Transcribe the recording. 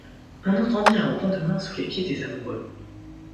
On entendit un grondement sous les pieds des amoureux.